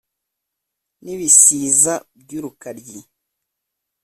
n'ibisiza by'urukaryi